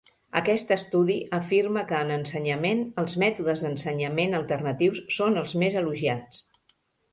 Aquest estudi afirma que, en ensenyament, els mètodes d'ensenyament alternatius són els més elogiats.